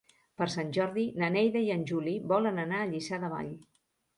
Per Sant Jordi na Neida i en Juli volen anar a Lliçà de Vall.